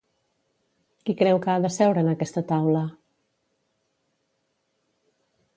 Qui creu que ha de seure en aquesta taula?